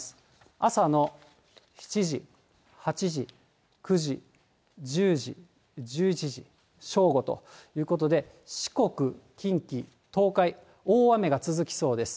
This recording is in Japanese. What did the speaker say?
朝の７時、８時、９時、１０時、１１時、正午ということで、四国、近畿、東海、大雨が続きそうです。